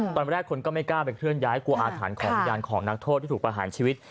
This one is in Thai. ตอนแรกคนก็ไม่กล้าไปเคลื่อนย้ายกลัวอาถรรพ์ของวิญญาณของนักโทษที่ถูกประหารชีวิต